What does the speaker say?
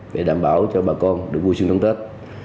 để đảm bảo cho bà con được vui sướng trong tết